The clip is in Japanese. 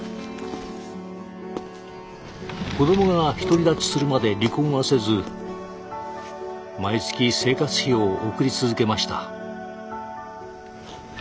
子どもが独り立ちするまで離婚はせず毎月生活費を送り続けました。